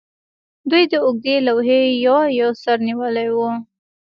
دوی د اوږدې لوحې یو یو سر نیولی و